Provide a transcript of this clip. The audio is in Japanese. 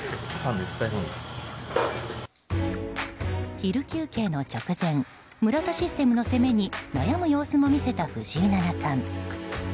昼休憩の直前村田システムの攻めに悩む様子も見せた藤井七冠。